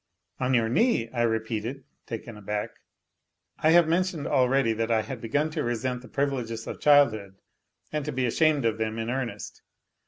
" On your knee," I repeated, taken aback. I have men tioned already that I had begun to resent the privileges of childhood and to be ashamed of them in earnest.